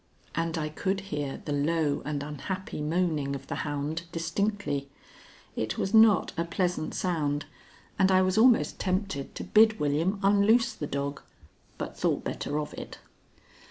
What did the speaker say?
And I could hear the low and unhappy moaning of the hound distinctly. It was not a pleasant sound, and I was almost tempted to bid William unloose the dog, but thought better of it.